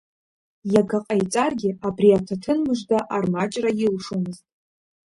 Иага ҟаиҵаргьы абри аҭаҭын мыжда армаҷра илшомызт.